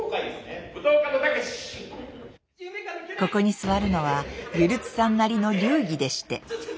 ここに座るのはゆるつさんなりの流儀でして。